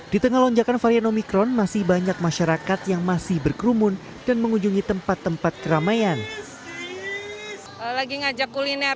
di tengah lonjakan varian omikron masih banyak masyarakat yang masih berkerumun dan mengunjungi tempat tempat keramaian